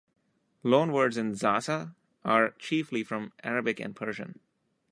Loan words in Zaza are chiefly from Arabic and Persian.